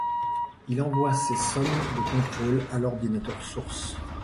Il envoie ces sommes de contrôle à l'ordinateur source.